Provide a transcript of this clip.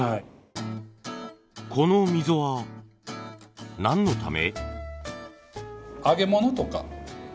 この溝は何のため？